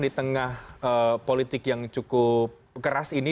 di tengah politik yang cukup keras ini